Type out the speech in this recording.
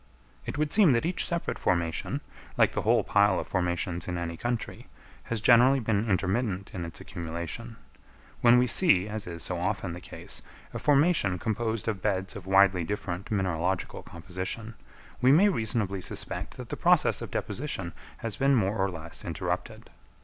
It would seem that each separate formation, like the whole pile of formations in any country, has generally been intermittent in its accumulation. When we see, as is so often the case, a formation composed of beds of widely different mineralogical composition, we may reasonably suspect that the process of deposition has been more or less interrupted.